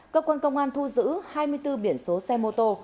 cơ quan công an thu giữ hai mươi bốn biển số xe mô tô